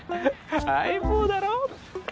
相棒だろ？